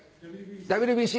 ＷＢＣ。